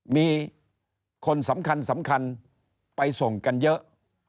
มีคนสำคัญสำคัญไปส่งกันเยอะ